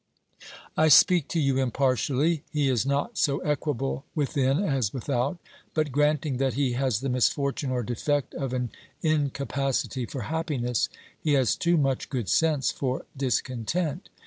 I speak to you impartially. He is not so equable within as without, but, granting that he has the misfortune or defect of an incapacity for happiness, he has too much good sense for discontent.